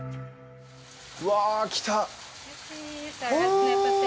うわあ、来た！